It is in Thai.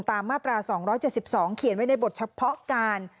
มาตรา๒๗๒เขียนไว้ในบทเฉพาะการ